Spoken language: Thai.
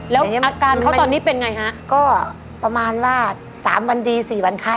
แล้วอาการเขาตอนนี้เป็นไงฮะก็ประมาณว่า๓วันดี๔วันไข้